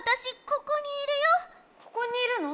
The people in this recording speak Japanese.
ここにいるの？